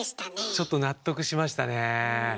ちょっと納得しましたねえ。